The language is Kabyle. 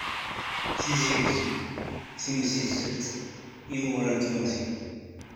Tizi Uzzu, timsizzelt "Imura n tmurt-iw."